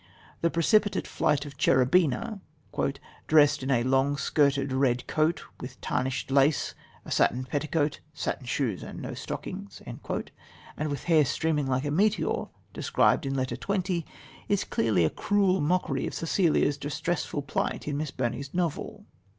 The precipitate flight of Cherubina, "dressed in a long skirted red coat stiff with tarnished lace, a satin petticoat, satin shoes and no stockings," and with hair streaming like a meteor, described in Letter XX, is clearly a cruel mockery of Cecilia's distressful plight in Miss Burney's novel.